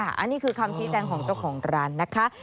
อันนี้คือคำชี้แจงของเจ้าของร้านนะคะ